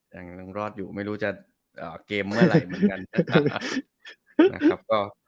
ยังรอดอยู่ไม่รู้จะเกมเมื่อไหร่เหมือนกันนะครับ